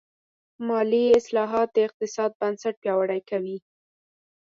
مالي اصلاحات د اقتصاد بنسټ پیاوړی کوي.